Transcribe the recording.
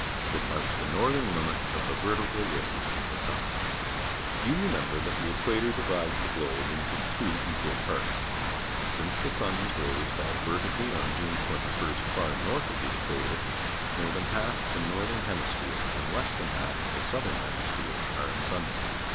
It marks the northern limit of t he ve rtical rays oT the sun. You rernember that the equator di\ides the globe^into t\vo equal parts. Since th e sun's rays fall verti cally on June 21st far north of the equator , more than half of the nor thern hemisphere and less than half of the southern hemisphere are in sun light.